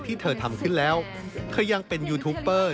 ที่เธอทำขึ้นแล้วเธอยังเป็นยูทูปเปอร์